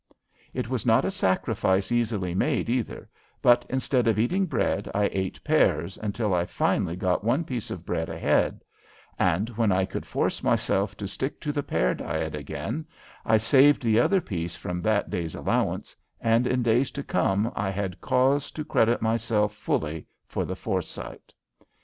It was not a sacrifice easily made, either, but instead of eating bread I ate pears until I finally got one piece of bread ahead; and when I could force myself to stick to the pear diet again I saved the other piece from that day's allowance, and in days to come I had cause to credit myself fully for the foresight.